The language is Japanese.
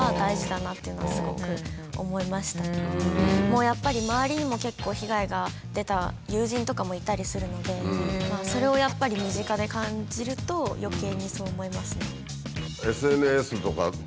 もうやっぱり周りにも結構被害が出た友人とかもいたりするのでそれをやっぱり身近で感じるとよけいにそう思いますね。